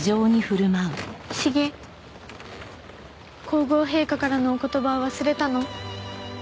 皇后陛下からのお言葉を忘れたの？